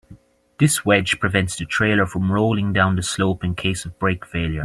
This wedge prevents the trailer from rolling down the slope in case of brake failure.